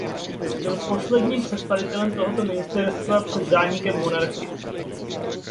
Byl posledním představitelem tohoto ministerstva před zánikem monarchie.